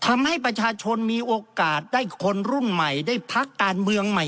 ทำให้ประชาชนมีโอกาสได้คนรุ่นใหม่ได้พักการเมืองใหม่